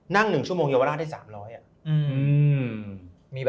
นั่ง๑ชั่วโมงเยาวราชได้๓๐๐ฯ